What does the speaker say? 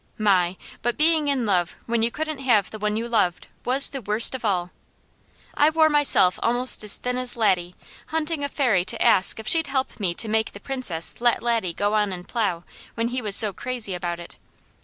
My! but being in love, when you couldn't have the one you loved, was the worst of all. I wore myself almost as thin as Laddie, hunting a Fairy to ask if she'd help me to make the Princess let Laddie go on and plow, when he was so crazy about it.